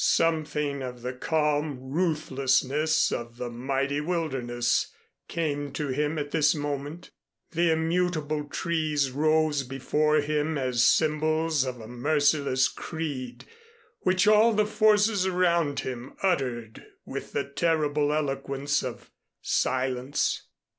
Something of the calm ruthlessness of the mighty wilderness came to him at this moment. The immutable trees rose before him as symbols of a merciless creed which all the forces around him uttered with the terrible eloquence of silence.